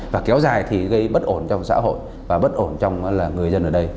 và kéo dài thì gây bất ổn trong xã hội và bất ổn trong người dân ở đây